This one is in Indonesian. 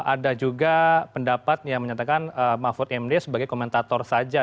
ada juga pendapat yang menyatakan mahfud md sebagai komentator saja